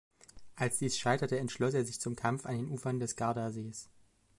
Als dies scheiterte, entschloss er sich zum Kampf an den Ufern des Gardasees.